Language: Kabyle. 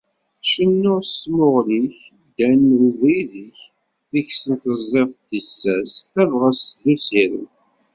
Cennun s tmuɣli-k, ddan d ubrid-ik, deg-sen teẓẓiḍ tissas, tabɣest, d usirem.